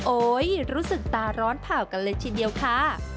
รู้สึกตาร้อนเผ่ากันเลยทีเดียวค่ะ